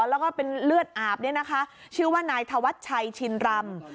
แล้วก็เป็นเลือดอาบเนี่ยนะคะชื่อว่านายธวัชชัยชินรำ